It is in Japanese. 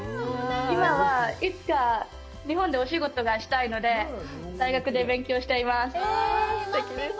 今は、いつか日本でお仕事がしたいので、大学で勉強しています。